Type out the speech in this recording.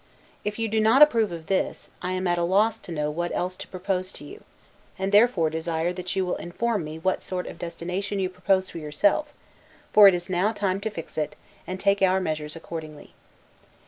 If you do not approve of this, I am at a loss to know what else to propose to you; and therefore desire that you will inform me what sort of destination you propose for yourself; for it is now time to fix it, and to take our measures accordingly.